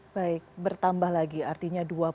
baik bertambah lagi artinya dua puluh empat orang